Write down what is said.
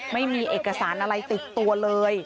ไม่มีเอกสารอะไรติดตัวเลย